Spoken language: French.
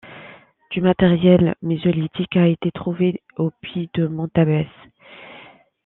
Du matériel mésolithique a été trouvé au Puy de Montabès.